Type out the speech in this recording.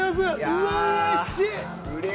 うれしい！